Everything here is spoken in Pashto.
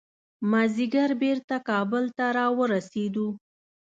مازدیګر بیرته کابل ته راورسېدو.